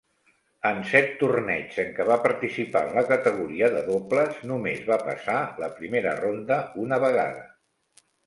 En set torneigs en què va participar en la categoria de dobles, només va passar la primera ronda una vegada.